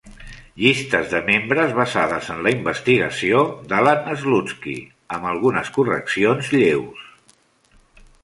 Llistes de membres basades en la investigació d'Allan Slutsky, amb algunes correccions lleus.